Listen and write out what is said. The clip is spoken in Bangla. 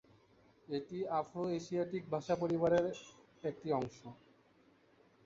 এটি আফ্রো-এশিয়াটিক ভাষা পরিবারের এর একটি অংশ।